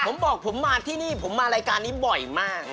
ผมบอกผมมาที่นี่ผมมารายการนี้บ่อยมาก